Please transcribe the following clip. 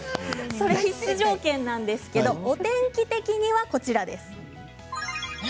それは必須条件なんですけれどお天気的には、こちらです。